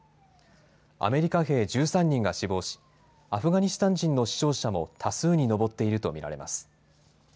アメリカ兵１３人が死亡しアフガニスタン人の死傷者も多数に上っていると見られます。